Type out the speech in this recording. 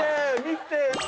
見て！